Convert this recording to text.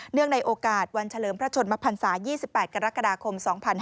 ในโอกาสวันเฉลิมพระชนมพันศา๒๘กรกฎาคม๒๕๕๙